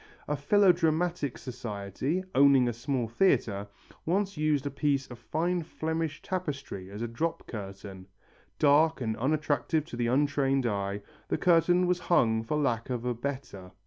A philodramatic society, owning a small theatre, once used a piece of fine Flemish tapestry as a drop curtain. Dark and unattractive to the untrained eye, the curtain was hung for lack of a better.